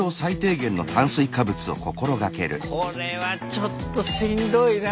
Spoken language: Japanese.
これはちょっとしんどいなあ。